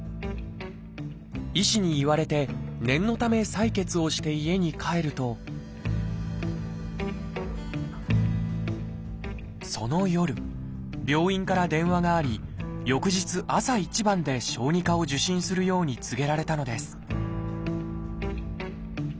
医師に言われて念のため採血をして家に帰るとその夜病院から電話があり翌日朝一番で小児科を受診するように告げられたのです